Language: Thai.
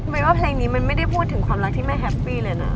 ว่าเพลงนี้มันไม่ได้พูดถึงความรักที่ไม่แฮปปี้เลยนะ